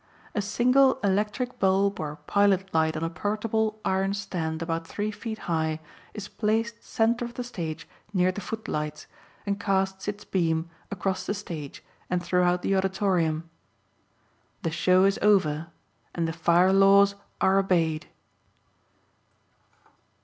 A single electric bulb or pilot light on a portable iron stand about three feet high is placed centre of the stage near the footlights, and casts its beam across the stage and throughout the auditorium. The show is over and the fire laws are obeyed.